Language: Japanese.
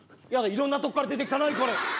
いろんなとこから出てきた何これ。